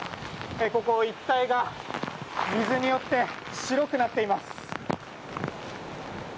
ここ一帯が水によって白くなっています。